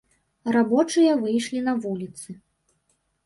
Рабочыя выйшлі на вуліцы.